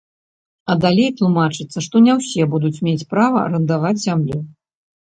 А далей тлумачыцца, што не ўсе будуць мець права арандаваць зямлю.